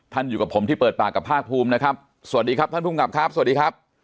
อยู่กับผมที่เปิดปากกับภาคภูมินะครับสวัสดีครับท่านภูมิกับครับสวัสดีครับ